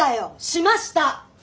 しました！